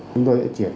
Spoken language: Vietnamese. chúng tôi sẽ triệt phá